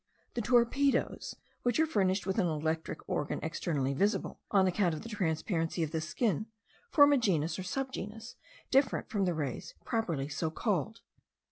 The torpedos, which are furnished with an electric organ externally visible, on account of the transparency of the skin, form a genus or subgenus different from the rays properly so called.